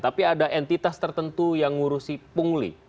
tapi ada entitas tertentu yang ngurusi pungli